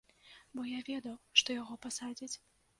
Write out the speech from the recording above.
Бо я ведаў, што яго пасадзяць.